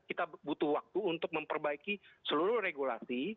kita butuh waktu untuk memperbaiki seluruh regulasi